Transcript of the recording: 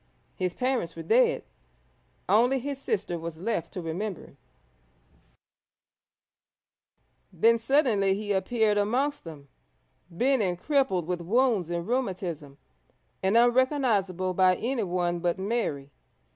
His parents were dead; only his sister was left to remember him. Then suddenly he appeared amongst them, bent and crippled with wounds and rheumatism, and unrecognisable by anyone but Mary.